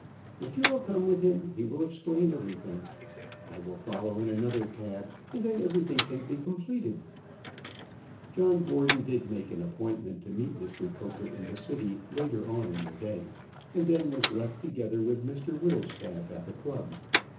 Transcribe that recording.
If you will come with him, he will explain everything. I will follow in another cab, and then everything can be completed." John Gordon did make an appointment to meet Mr Poker in the city later on in the day, and then was left together with Mr Whittlestaff at the club.